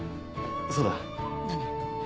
そうだ。何？